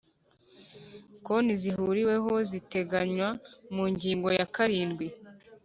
konti zihuriweho ziteganywa mu ngingo ya karindwi